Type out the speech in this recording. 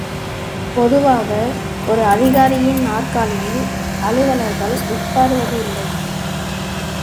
பொதுவாக, ஒரு அதிகாரியின் நாற்காலியில், அலுவலர்கள் உட்காருவது இல்லை.